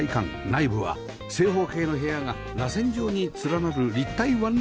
内部は正方形の部屋がらせん状に連なる立体ワンルーム